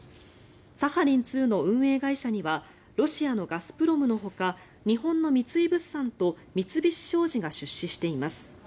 サハリン２の運営会社にはロシアのガスプロムのほか日本の三井物産と三菱商事が出資しています。